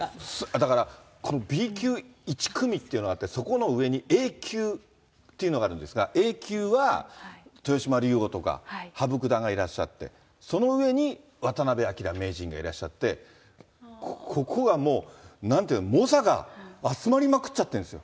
だから、このＢ級１組っていうのがあって、そこの上にＡ級というのがあるんですが、Ａ級は豊島竜王とか、羽生九段がいらっしゃって、その上に渡辺明名人がいらっしゃって、ここがもう、なんていうの、猛者が集まりまくっちゃってるんですよ。